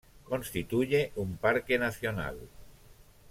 Constituye un Parque Nacional.